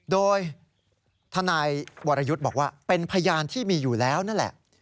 โดยทนายวรยุทธ์บอกว่าเป็นพยานที่มีอยู่แล้วนั่นแหละ